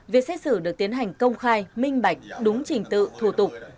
việc xét xử được tiến hành công khai minh bạch đúng trình tự thủ tục